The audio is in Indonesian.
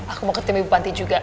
aku mau ketemu ibu pantai juga